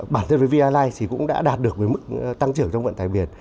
bản thân với vialize thì cũng đã đạt được mức tăng trưởng trong vận tải biển